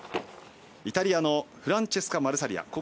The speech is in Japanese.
イタリアのフランチェスカ・マルサリア。